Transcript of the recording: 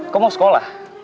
kau mau sekolah